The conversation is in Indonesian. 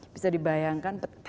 bisa dibayangkan betapa sulitnya